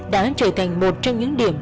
đã trở thành một trong những điểm